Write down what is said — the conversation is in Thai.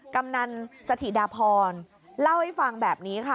กำนันสถิดาพรเล่าให้ฟังแบบนี้ค่ะ